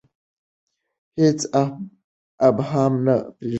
هیڅ ابهام نه پریږدي.